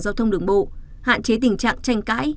giao thông đường bộ hạn chế tình trạng tranh cãi